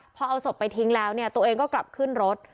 พอเอาศพไปทิ้งแล้วเนี่ยตัวเองก็กลับขึ้นรถ